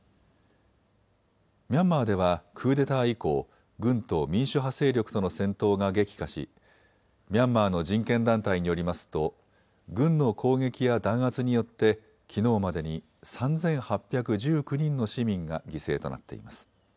ミャンマーではクーデター以降、軍と民主派勢力との戦闘が激化しミャンマーの人権団体によりますと軍の攻撃や弾圧によってきのうまでに３８１９人の市民が犠牲となっています。